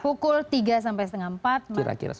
pukul tiga sampai setengah empat